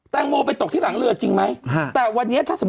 แตงโมไปตกที่หลังเรือจริงไหม